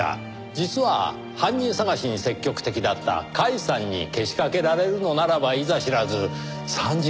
実は犯人捜しに積極的だった甲斐さんにけしかけられるのならばいざ知らず参事官ですからねぇ。